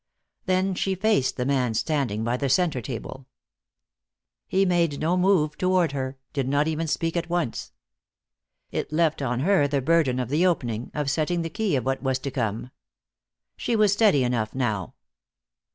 Then she faced the man standing by the center table. He made no move toward her, did not even speak at once. It left on her the burden of the opening, of setting the key of what was to come. She was steady enough now.